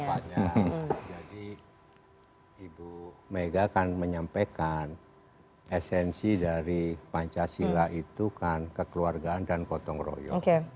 jadi ibu megawati akan menyampaikan esensi dari pancasila itu kan kekeluargaan dan kotong royong